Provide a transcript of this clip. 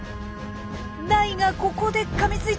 ダイがここでかみついた！